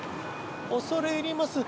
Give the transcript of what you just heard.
恐れ入ります